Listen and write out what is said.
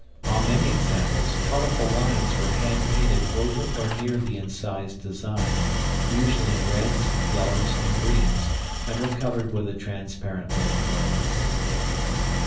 On many examples, colorful lines were hand painted over or near the incised designs, usually in reds, yellows, and greens, and were covered with a transparent lead glaze.